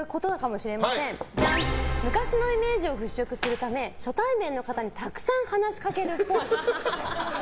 昔のイメージを払しょくするため初対面の方にたくさん話しかけるっぽい。